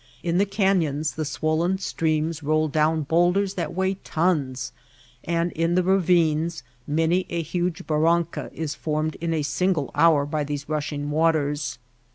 In the canyons the swollen streams roll down bowlders that weigh tons, and in the ravines many a huge barranca is formed in a single hour by these rushing waters.